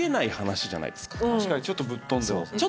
確かにちょっとぶっ飛んでますね。